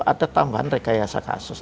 ada tambahan rekayasa kasus